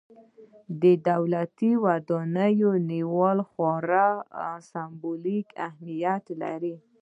د یوې دولتي ودانۍ نیول خورا سمبولیک اهمیت لري.